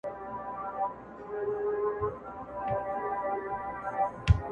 چي پوره یې کړه د خپل سپي ارمانونه-